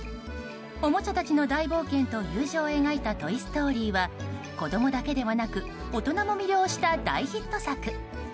おもちゃたちの大冒険と友情を描いた「トイ・ストーリー」は子供だけではなく大人も魅了した大ヒット作。